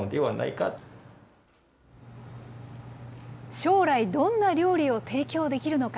将来どんな料理を提供できるのか。